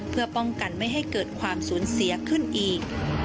เพื่อป้องกันไม่ให้เกิดความสูญเสียขึ้นอีก